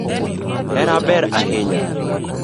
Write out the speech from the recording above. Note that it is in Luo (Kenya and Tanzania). Hera ber ahinya